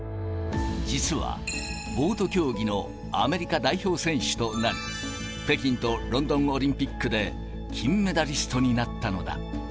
実は、ボート競技のアメリカ代表選手となり、北京とロンドンオリンピックで金メダリストになったのだ。